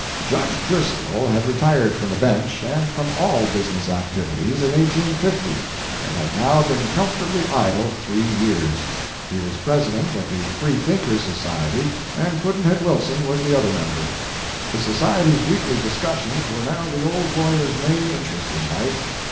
Judge Driscoll had retired from the bench and from all business activities in 1850, and had now been comfortably idle three years. He was president of the Free thinkers' Society, and Pudd'nhead Wilson was the other member. The society's weekly discussions were now the old lawyer's main interest in life.